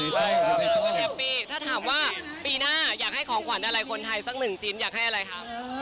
ก็แฮปปี้ถ้าถามว่าปีหน้าอยากให้ของขวัญอะไรคนไทยสักหนึ่งชิ้นอยากให้อะไรครับ